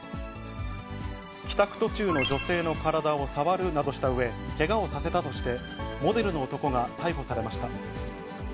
帰宅途中の女性の体を触るなどしたうえ、けがをさせたとして、モデルの男が逮捕されました。